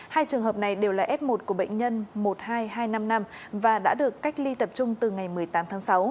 hai trường hợp này đều là f một của bệnh nhân một hai hai năm năm và đã được cách ly tập trung từ ngày một mươi tám tháng sáu